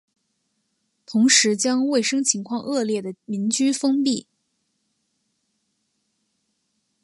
同时将卫生情况恶劣的民居封闭。